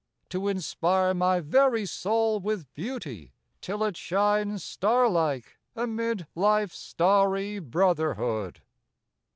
To inspire My very soul with beauty till it shines Star like amid life's starry brotherhood!